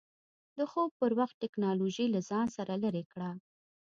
د خوب پر وخت ټېکنالوژي له ځان لرې کړه.